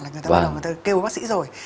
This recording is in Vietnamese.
là người ta bắt đầu kêu bác sĩ rồi